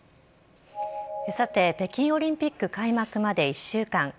さて北京オリンピック開幕まで１週間。